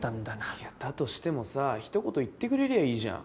いやだとしてもさ一言言ってくれりゃいいじゃん。